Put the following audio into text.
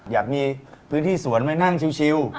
อยากมีพื้นที่สวนไว้นั่งชิว